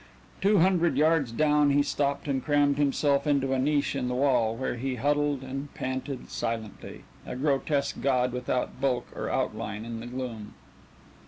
Two hundred yards down he stopped and crammed himself into a niche in the wall where he huddled and panted silently, a grotesque god without bulk or outline in the gloom.